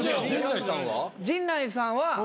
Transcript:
陣内さんは？